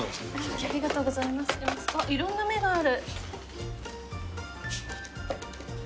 いろんな目がある。